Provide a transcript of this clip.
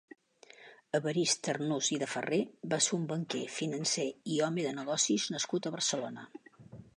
Evarist Arnús i de Ferrer va ser un banquer, financer i home de negocis nascut a Barcelona.